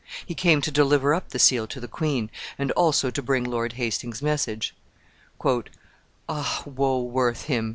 He came to deliver up the seal to the queen, and also to bring Lord Hastings's message. "Ah, woe worth him!"